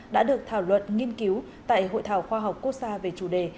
đã được thảo luận nghiên cứu tại hội thảo khoa học quốc gia về chủ đề